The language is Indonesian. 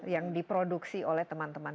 yang diproduksi oleh teman teman